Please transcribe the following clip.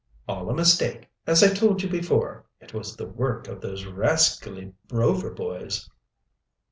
"All a mistake, as I told you before. It was the work of those rascally Rover boys."